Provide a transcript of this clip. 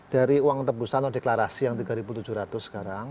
dari uang tebusan atau deklarasi yang tiga ribu tujuh ratus sekali